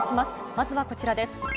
まずはこちらです。